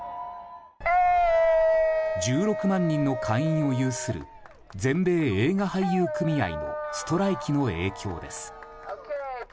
１６万人の会員を有する全米映画俳優組合のストライキの影響です。